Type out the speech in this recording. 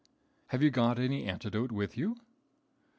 "Have you got any antidote with you?"